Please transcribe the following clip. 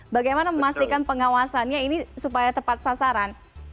bagaimana memastikan pengawasannya ini supaya tepat sasaran